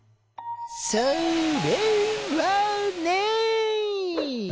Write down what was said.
それはね。